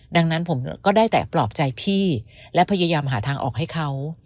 ดังนั้นผมก็ได้แต่ปลอบใจพี่และพยายามหาทางออกให้เขา